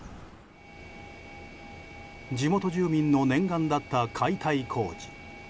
地元住民の念願だった解体工事。